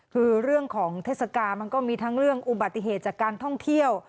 คือเรื่องของเทศกาลมันก็มีทั้งเรื่องอุบัติเหตุจากการท่องเที่ยว